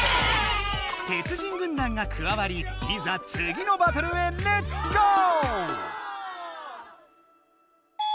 鉄人軍団がくわわりいざつぎのバトルへレッツゴー！